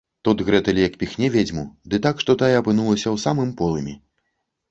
Тут Грэтэль як піхне ведзьму, ды так, што тая апынулася ў самым полымі